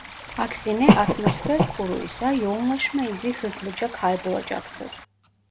Aksine atmosfer kuruysa yoğunlaşma izi hızlıca kaybolacaktır.